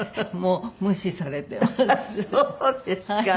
もう無視されてます。